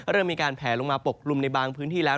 เริ่มมีการแผลลงมาปกกลุ่มในบางพื้นที่แล้ว